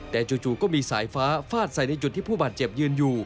แต่จู่ก็มีสายฟ้าฟาดใส่ในจุดที่ผู้บาดเจ็บยืนอยู่